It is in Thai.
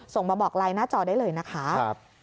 ส่งมาบอกไลน์หน้าจอได้เลยนะคะ